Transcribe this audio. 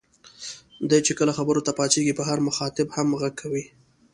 دی چې کله خبرو ته پاڅېږي په هر مخاطب هم غږ کوي.